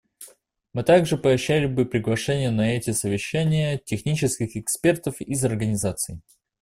Мы также поощряли бы приглашение на эти совещания технических экспертов из организаций.